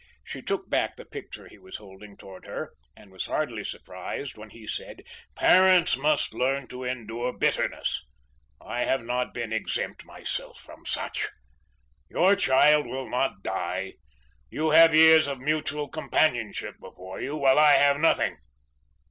She took back the picture he was holding towards her and was hardly surprised when he said: "Parents must learn to endure bitterness. I have not been exempt myself from such. Your child will not die. You have years of mutual companionship before you, while I have nothing.